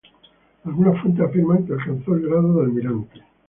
Algunas fuentes afirman que alcanzó el grado de almirante.